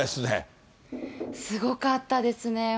すごかったですね。